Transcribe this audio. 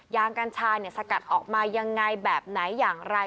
กัญชาสกัดออกมายังไงแบบไหนอย่างไร